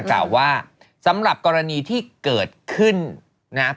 กล่าวว่าสำหรับกรณีที่เกิดขึ้นนะครับ